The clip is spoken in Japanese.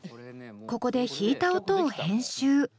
ここで弾いた音を編集。